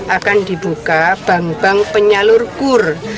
akan dibuka bank bank penyalur kur